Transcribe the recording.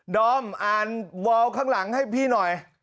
ดอมอ่านวอลข้างหลังให้พี่หน่อย